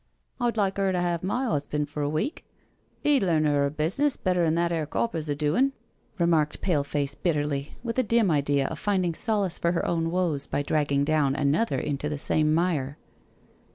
*'•• VA like 'er to 'ave my 'usban' for a week — 'e'd learn 'er *er bizness better'n that 'ere copper's a doin'/' remarked Pale face bitterly, with a dim idea of finding solace for her own woes by dragging down another into the same mire.